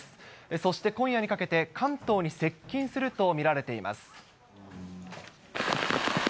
そして今夜にかけて、関東に接近すると見られています。